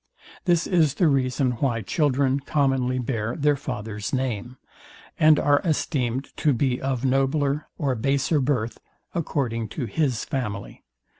This is the reason why children commonly bear their father's name, and are esteemed to be of nobler or baser birth, according to his family.